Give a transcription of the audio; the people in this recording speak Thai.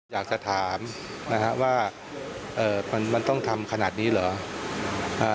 อยากจะถามนะฮะว่ามันต้องทำขนาดนี้เหรอ